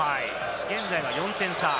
現在、４点差。